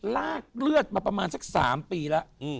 ลากเลือดมาประมาณสัก๓ปีแล้ว